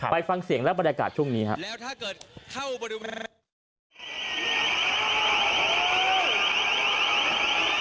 ไปฟังเสียงและบรรยากาศช่วงนี้ครับ